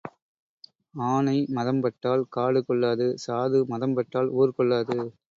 ஆனை மதம் பட்டால் காடு கொள்ளாது சாது மதம் பட்டால் ஊர் கொள்ளாது.